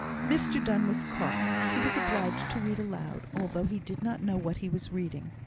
Mr Donne was caught; he was obliged to read aloud, although he did not know what he was reading.